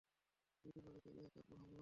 দুইদিন নজরদারি, তারপর হামলা।